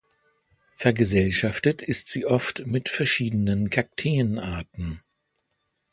Vergesellschaftet ist sie oft mit verschiedenen Kakteen-Arten.